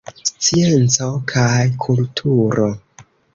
Scienco kaj kulturo.